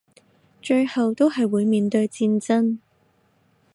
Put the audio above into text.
最後都係會面對戰爭